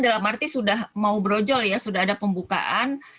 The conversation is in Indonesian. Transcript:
dalam arti sudah mau brojol ya sudah ada pembukaan